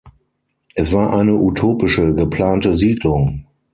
Es war eine utopische, geplante Siedlung.